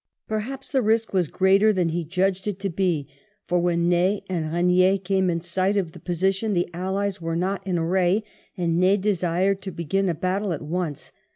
Perhaps the risk was greater than he judged it to be, for when Ney and Regnier came in sight of the position the allies were not in array, and Ney desired to begin a battle at once.